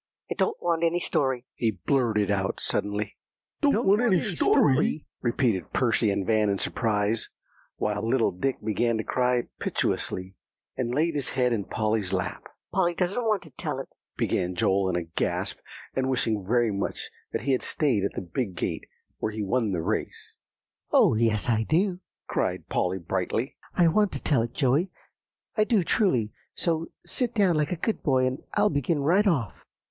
"I don't want any story," he blurted out suddenly. "Don't want any story," repeated Percy and Van in surprise; while little Dick began to cry piteously, and laid his head in Polly's lap. "Polly doesn't want to tell it," began Joel in a gasp, and wishing very much that he had stayed at the big gate where he won the race. "Oh, yes I do!" cried Polly brightly. "I want to tell it, Joey, I do truly; so sit down like a good boy, and I'll begin right off."